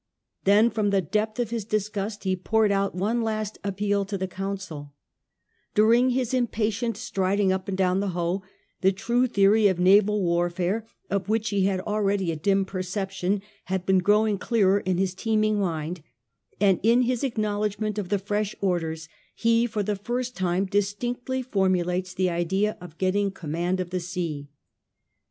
Then from the depth of his disgust he poured out one last appeal to the Council During his impatient striding up and down the Hoe, the true theory of naval warfare, of which he had already a dim perception, had been growing clearer in his teeming mind, and in his acknowledgment of the fresh orders he, for the first time, distinctly formulates the idea of getting command of the sea.